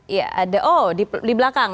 iya ada oh di belakang